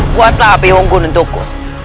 buatlah api wonggun untukku